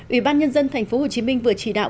ủy ban nhân dân tp hcm vừa chỉ đạo